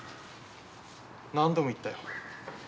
何度も言ったよ。